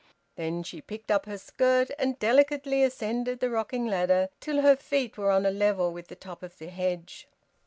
Then she picked up her skirt and delicately ascended the rocking ladder till her feet were on a level with the top of the hedge.